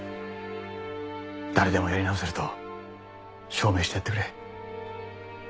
誰でもやり直せると証明してやってくれ。